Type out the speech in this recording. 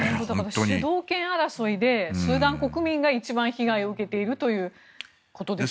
主導権争いでスーダン国民が一番被害を受けているということですよね。